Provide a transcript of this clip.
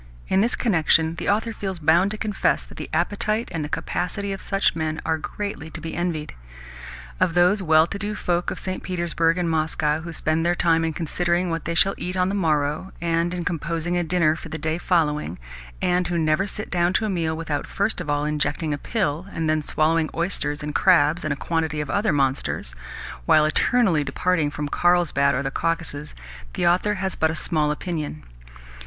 In this connection the author feels bound to confess that the appetite and the capacity of such men are greatly to be envied. Of those well to do folk of St. Petersburg and Moscow who spend their time in considering what they shall eat on the morrow, and in composing a dinner for the day following, and who never sit down to a meal without first of all injecting a pill and then swallowing oysters and crabs and a quantity of other monsters, while eternally departing for Karlsbad or the Caucasus, the author has but a small opinion.